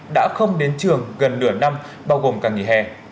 đã không đến trường gần nửa năm bao gồm cả nghỉ hè